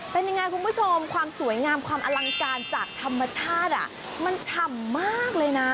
เป็นยังไงคุณผู้ชมความสวยงามความอลังการจากธรรมชาติมันฉ่ำมากเลยนะ